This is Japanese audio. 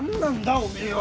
おめえは。